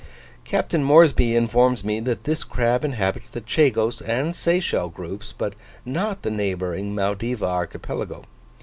Captain Moresby informs me that this crab inhabits the Chagos and Seychelle groups, but not the neighbouring Maldiva archipelago.